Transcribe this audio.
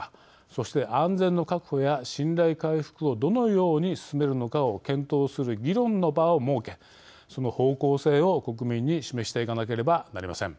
そして、安全の確保や信頼回復をどのように進めるのかを検討する議論の場を設けその方向性を国民に示していかなければなりません。